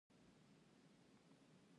جلغوزيو ونی پکتيا غرونو پوښلي دی